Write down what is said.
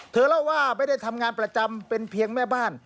เธอเล่าว่าไม่ได้ทำงานประจำเป็นเพียงแม่บ้าน